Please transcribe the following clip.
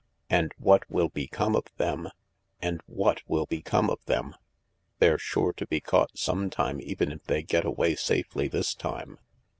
And what will become of them ? And what will become of them ? They're sure to be caught some time, even if they get away safely this time."